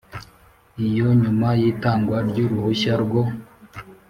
Iyo nyuma y itangwa ry uruhushya rwo